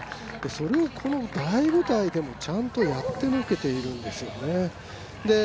それをこの大舞台でもちゃんとやってのけているんですよね。